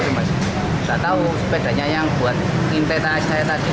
saya tahu sepedanya yang buat intai saya tadi